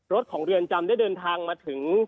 รถของเรือนจำได้เดินทางมาถึง